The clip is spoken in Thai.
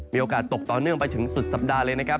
มีโอกาสตกต่อเนื่องไปถึงสุดสัปดาห์เลยนะครับ